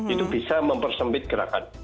itu bisa mempersempit gerakan